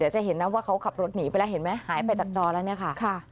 จะเห็นนะว่าเขาขับรถหนีไปแล้วเห็นไหมหายไปจากจอแล้วเนี่ยค่ะ